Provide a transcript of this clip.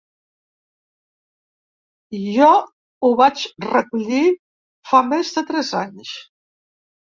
Jo ho vaig recollir fa més de tres anys.